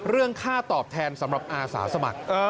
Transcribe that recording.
เรื่องค่าตอบแทนสำหรับอาสาสมัคร